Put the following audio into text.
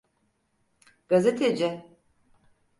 Gazeteci…